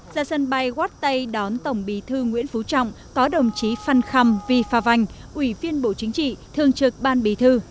ra sân bay quát tay đón tổng bí thư nguyễn phú trọng có đồng chí phan khăm vy phà vành ủy viên bộ chính trị thương trực ban bí thư